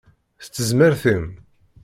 S tezmert-im!